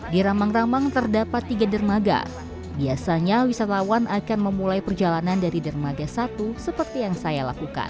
di ramang ramang terdapat tiga dermaga biasanya wisatawan akan memulai perjalanan dari dermaga satu seperti yang saya lakukan